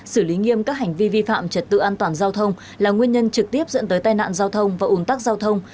xử lý nghiêm các hành vi vi phạm trật tự an toàn giao thông là nguyên nhân trực tiếp dẫn tới tai nạn giao thông và ủn tắc giao thông